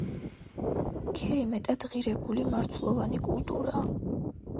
ქერი მეტად ღირებული მარცვლოვანი კულტურაა.